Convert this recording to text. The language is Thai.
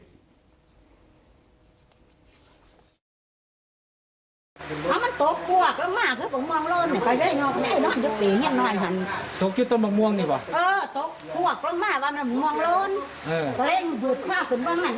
อีกามันก็หอดชีวิตแทนเหล่าบ้านบ้านตกตุ๊บลงมาจากต้นมะม่วง